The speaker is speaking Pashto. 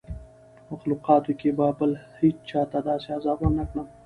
په مخلوقاتو کي به بل هېچا ته داسي عذاب ورنکړم